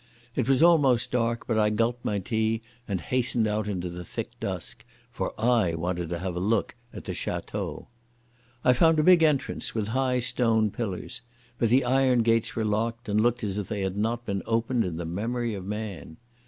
It was almost dark, but I gulped my tea and hastened out into the thick dusk. For I wanted to have a look at the Château. I found a big entrance with high stone pillars, but the iron gates were locked and looked as if they had not been opened in the memory of man.